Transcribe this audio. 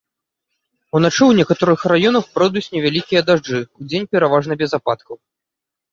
Уначы ў некаторых раёнах пройдуць невялікія дажджы, удзень пераважна без ападкаў.